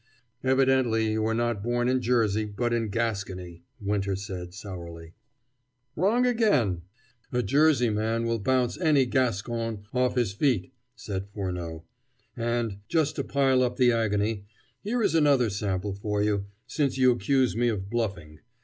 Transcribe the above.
"Evidently you were not born in Jersey, but in Gascony," Winter said sourly. "Wrong again! A Jersey man will bounce any Gascon off his feet," said Furneaux. "And, just to pile up the agony, here is another sample for you, since you accuse me of bluffing.